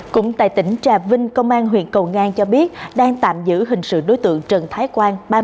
cũng tại tỉnh trà vinh công an huyện cầu ngang cho biết đang tạm giữ hình sự đối tượng trần thái quang